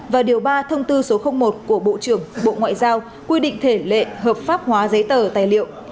và điều ba thông tư số một của bộ trưởng bộ ngoại giao quy định thể lệ hợp pháp hóa giấy tờ tài liệu